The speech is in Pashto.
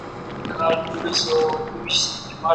د اسنادو په سکین کولو کې.